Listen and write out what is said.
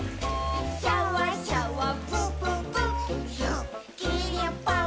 「シャワシャワプププすっきりぽっ」